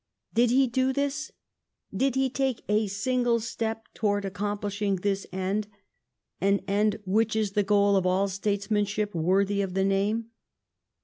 Did he do this ? Did he take a single step towards accomplishing this end — an end which is the goal of all statesmanship worthy of the name